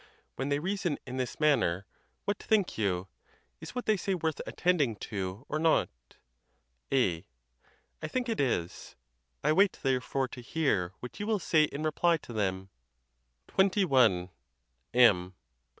When they reason in this manner, what think you—is what they say worth attending to or not? A. I think it is. I wait, therefore, to hear what you will say in reply to them. XXI. M.